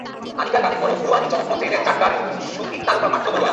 আনিকার গানের পরও ফুরায়নি চমক মঞ্চে এলেন চাটগাঁর সংগীত তারকা পার্থ বড়ুয়া।